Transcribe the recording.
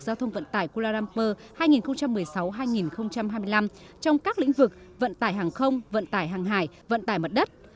giao thông vận tải kuala lumpur hai nghìn một mươi sáu hai nghìn hai mươi năm trong các lĩnh vực vận tải hàng không vận tải hàng hải vận tải mặt đất